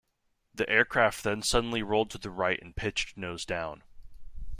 The aircraft then suddenly rolled to the right and pitched nose down.